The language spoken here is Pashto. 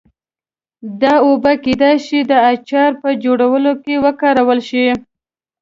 دا اوبه کېدای شي د اچار په جوړولو کې وکارول شي.